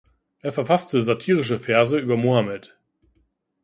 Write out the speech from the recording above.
Er verfasste satirische Verse über Mohammed.